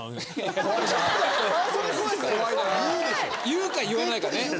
言うか言わないかね。